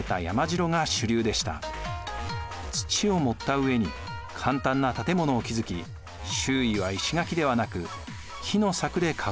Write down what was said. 土を盛った上に簡単な建物を築き周囲は石垣ではなく木の柵で囲んでいます。